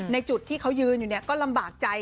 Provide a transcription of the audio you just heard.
จุดที่เขายืนอยู่เนี่ยก็ลำบากใจ